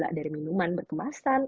gula dari minuman berkemasan